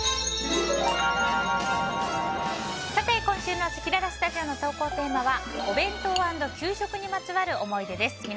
今週のせきららスタジオの投稿テーマはお弁当＆給食にまつわる思い出です。